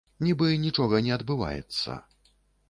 Нібы нічога не адбываецца.